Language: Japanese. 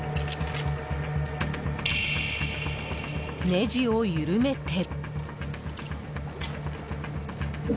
ネジを緩めて。